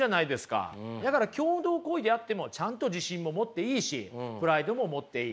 だから共同行為であってもちゃんと自信も持っていいしプライドも持っていい。